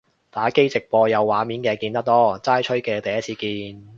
打機直播有畫面嘅見得多，齋吹嘅第一次見